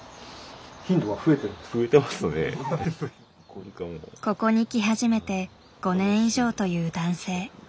ここに来始めて５年以上という男性。